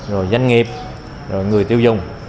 rồi doanh nghiệp rồi người tiêu dùng